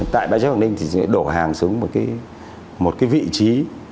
tại bãi chế quảng ninh thì sẽ đổ hàng xuống một vị trí